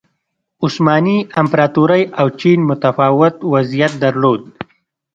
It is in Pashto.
عثماني امپراتورۍ او چین متفاوت وضعیت درلود.